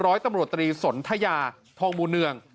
ร้อยตำรวจตรีสนทยาทองมูเนือง